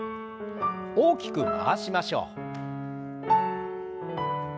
大きく回しましょう。